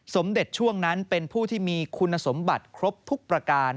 สมเด็จช่วงนั้นเป็นผู้ที่มีคุณสมบัติครบทุกประการ